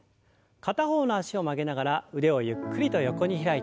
片方の脚を曲げながら腕をゆっくりと横に開いて。